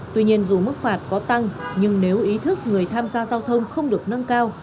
tuy nhiên dù mức phạt có tăng nhưng nếu ý thức người tham gia giao thông không được nâng cao